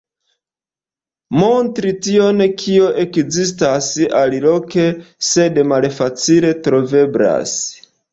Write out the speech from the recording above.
Montri tion kio ekzistas aliloke, sed malfacile troveblas.